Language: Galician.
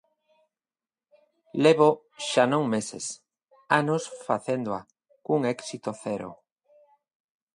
Levo, xa non meses; anos, facéndoa, cun éxito cero.